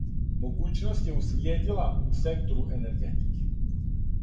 Могућност је услиједила у сектору енергетике.